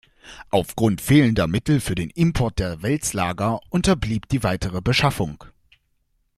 Aufgrund fehlender Mittel für den Import der Wälzlager unterblieb die weitere Beschaffung.